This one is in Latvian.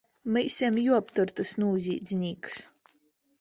Mums jāaptur tas noziedznieks!